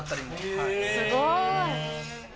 すごい。